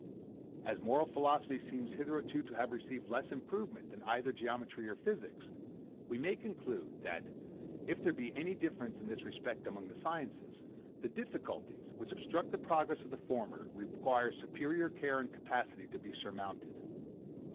As moral philosophy seems hitherto to have received less improvement than either geometry or physics, we may conclude, that, if there be any difference in this respect among these sciences, the difficulties, which obstruct the progress of the former, require superior care and capacity to be surmounted.